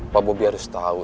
pak bobi harus tahu